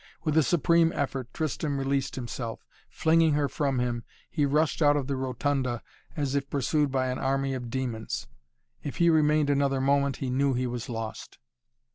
With a supreme effort Tristan released himself. Flinging her from him, he rushed out of the rotunda as if pursued by an army of demons. If he remained another moment he knew he was lost.